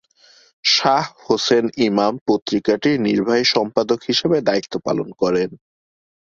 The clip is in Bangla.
শাহ হোসেন ইমাম পত্রিকাটির নির্বাহী সম্পাদক হিসেবে দায়িত্ব পালন করেন।